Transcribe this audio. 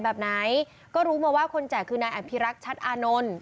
แบบไหนก็รู้มาว่าคนแจกคือนายอภิรักษ์ชัดอานนท์